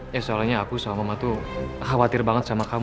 ya soalnya aku sama mama tuh khawatir banget sama kamu